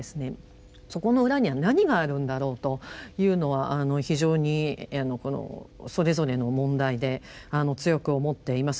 そこの裏には何があるんだろうというのは非常にそれぞれの問題で強く思っています。